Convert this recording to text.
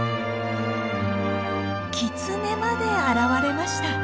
キツネまで現れました。